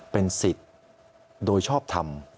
เป็นสิทธิ์โดยชอบทำ